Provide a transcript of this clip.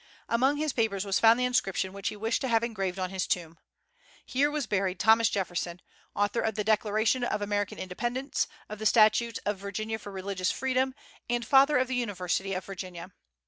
Among his papers was found the inscription which he wished to have engraved on his tomb: "Here was buried Thomas Jefferson, Author of the Declaration of American Independence, of the Statute of Virginia for Religious Freedom, and Father of the University of Virginia."